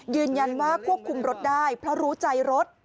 ยืนยันว่าควบคุมรถได้เพราะรู้ใจรถ